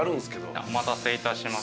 お待たせいたしました。